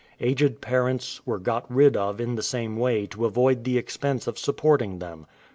Aged parents were got rid of in the same way to avoid the expense of supporting them.